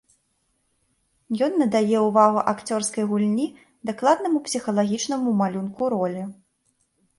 Ён надае ўвагу акцёрскай гульні, дакладнаму псіхалагічнаму малюнку ролі.